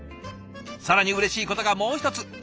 更にうれしいことがもう一つ。